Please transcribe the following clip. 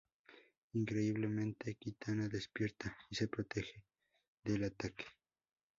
Increíblemente Kitana despierta y se protege de el ataque.